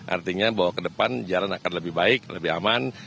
artinya bahwa ke depan jalan akan lebih baik lebih aman